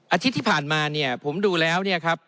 อาทิตย์ที่ผ่านมาเนี่ยผมดูแล้วเนี่ยครับ